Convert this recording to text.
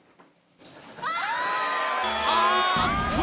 ああっと！